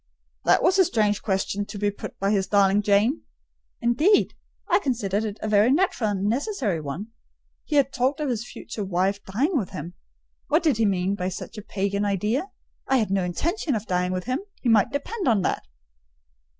"That was a strange question to be put by his darling Jane." "Indeed! I considered it a very natural and necessary one: he had talked of his future wife dying with him. What did he mean by such a pagan idea? I had no intention of dying with him—he might depend on that."